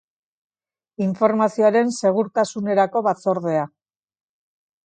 Informazioaren Segurtasunerako Batzordea